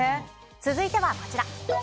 続いてはこちら。